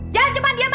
jangan cuman diam aja